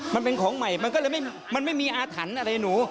มันเป็นของใหม่มันไม่มีอาถรรพ์อะไรหนู